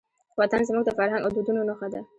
وطن زموږ د فرهنګ او دودونو نښه ده.